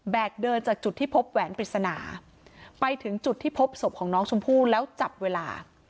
เดินจากจุดที่พบแหวนปริศนาไปถึงจุดที่พบศพของน้องชมพู่แล้วจับเวลา